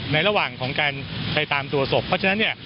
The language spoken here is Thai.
ระหว่างของการไปตามตัวศพเพราะฉะนั้นเนี่ย